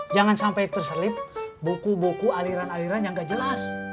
jangan sampai terselip buku buku aliran aliran yang gak jelas